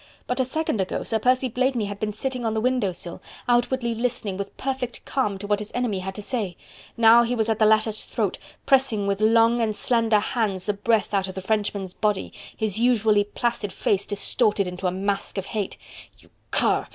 But a second ago, Sir Percy Blakeney had been sitting on the window sill, outwardly listening with perfect calm to what his enemy had to say; now he was at the latter's throat, pressing with long and slender hands the breath out of the Frenchman's body, his usually placid face distorted into a mask of hate. "You cur!...